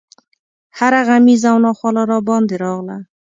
هره غمیزه او ناخواله راباندې راغله.